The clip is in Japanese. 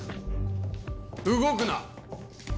動くな！